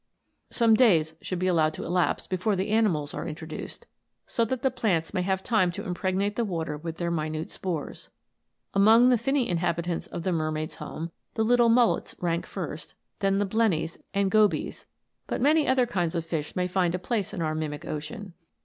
Some days should be allowed to elapse before the animals are introduced, so that the plants may have time to impregnate the water with their minute spores. Among the finny inhabitants of the mer maid's home the little mullets rank first, then the blennies and gobies, but many other kinds of fish may find a place in our mimic ocean.